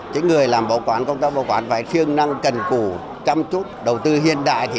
cái người làm bảo quản công tác bảo quản phải phiên năng cần củ chăm chút đầu tư hiện đại